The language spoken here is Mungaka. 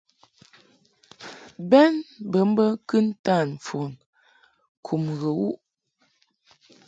Bɛn bə mbə kɨntan mfon kum ghə wuʼ.